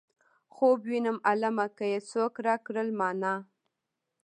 خوب وينم عالمه که یې څوک راکړل مانا.